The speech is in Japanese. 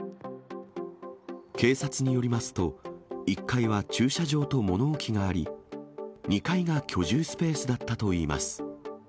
警察によりますと、１階は駐車場と物置きがあり、２階が居住スペースだったといいます。